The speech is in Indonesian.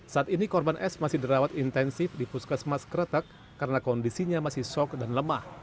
saat ini korban s masih dirawat intensif di puskesmas kretek karena kondisinya masih sok dan lemah